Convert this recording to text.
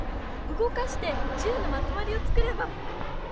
うごかして１０のまとまりを作れば。